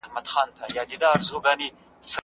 کرۍ ورځ چي یې هرڅه زحمت وو کښلی